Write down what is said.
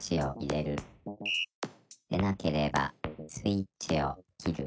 「でなければスイッチを切る」